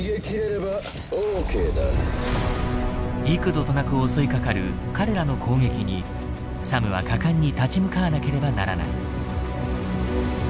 幾度となく襲いかかる彼らの攻撃にサムは果敢に立ち向かわなければならない。